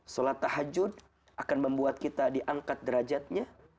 sholat tahajud akan membuat kita diangkat derajatnya